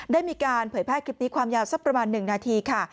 ได้มีการเผยแพร่คลิปนี้ความยาวสักประมาณ๑นาทีค่ะ